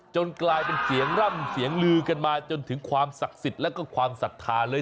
กลายเป็นเสียงร่ำเสียงลือกันมาจนถึงความศักดิ์สิทธิ์แล้วก็ความศรัทธาเลย